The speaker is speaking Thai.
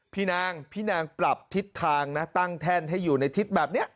พี่นางพี่นางปรับทิศทางนะตั้งแท่นให้อยู่ในทิศแบบนี้